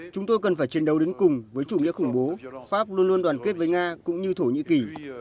chúng tôi cần phải chiến đấu đến cùng với chủ nghĩa khủng bố pháp luôn luôn đoàn kết với nga cũng như thổ nhĩ kỳ